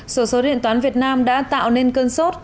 sổ số điện toán việt nam đã tạo nên cơn sốt